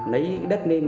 lấy đất lên